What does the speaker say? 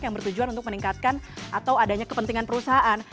yang bertujuan untuk meningkatkan atau adanya kepentingan perusahaan